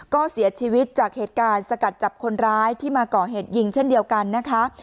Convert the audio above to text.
ก็เสียชีวิตจากเหตุการณ์สกัดจับคนร้ายที่มาก่อเหตุยิงเช่นเดียวกันนะคะ